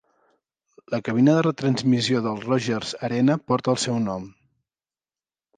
La cabina de retransmissió del Rogers Arena porta el seu nom.